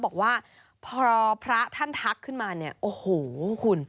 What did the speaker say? บอกว่าพอพระท่านทักขึ้นมาเนี่ยโอ้โหคุณ